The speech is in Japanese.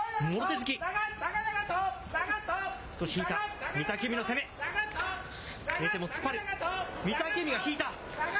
突っ張る、御嶽海が引いた。